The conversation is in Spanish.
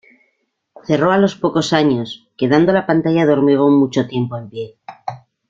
Cerró a los pocos años, quedando la pantalla de hormigón mucho tiempo en pie.